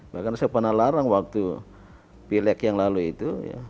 bahkan saya pernah larang waktu pilek yang lalu itu